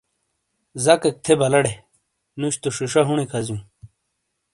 زَک ایک تھے بَلاٹے، نُوش تو شِیشہ (سر) ہُونی کھَزِیوں۔